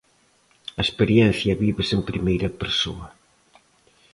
A experiencia vívese en primeira persoa.